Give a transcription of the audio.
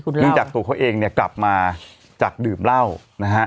นึกจากตัวเขาเองกลับมาจากดื่มเหล้านะฮะ